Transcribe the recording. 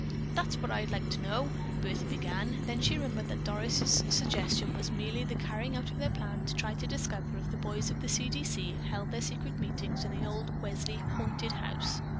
"That's what I'd like to know!" Bertha began, then she remembered that Doris' suggestion was merely the carrying out of their plan to try to discover if the boys of the "C. D. C." held their secret meetings in the old Welsley "haunted" house.